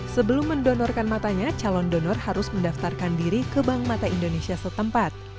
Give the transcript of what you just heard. sebelum mendonorkan matanya calon donor harus mendaftarkan diri ke bank mata indonesia setempat